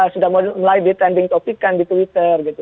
sudah mulai di trending topikan di twitter gitu